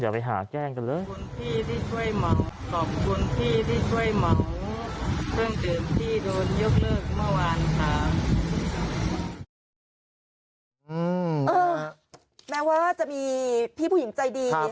แม้ว่าจะมีพี่ผู้หญิงใจดี